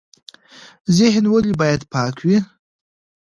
ذهن ولې باید پاک وي؟